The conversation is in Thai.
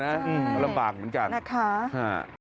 ใช่นะคะรับปากเหมือนกัน